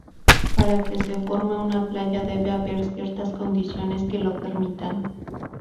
Para que se forme una playa debe haber ciertas condiciones que lo permitan.